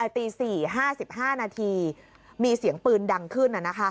ตี๔๕๕นาทีมีเสียงปืนดังขึ้น